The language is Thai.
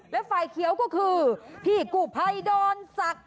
และไฟเขียวก็คือพี่กู้ภัยดอนสัก